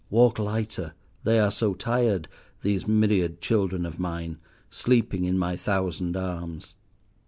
Walk lighter; they are so tired, these myriad children of mine, sleeping in my thousand arms.